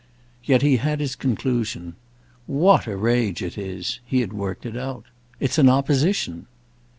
Yet he had his conclusion. "What a rage it is!" He had worked it out. "It's an opposition."